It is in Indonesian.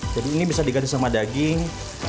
jadi ini bisa diganti sama daging